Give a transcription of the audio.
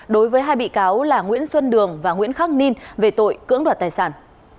đối với hai bị cáo là nguyễn xuân đường và nguyễn khắc ninh về tội cưỡng đoạt tài sản